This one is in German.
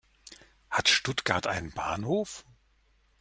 Hat Stuttgart einen Bahnhof?